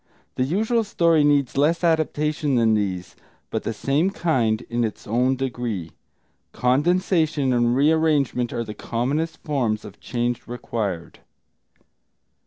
The usual story needs less adaptation than these, but the same kind, in its own degree. Condensation and rearrangement are the commonest forms of change required.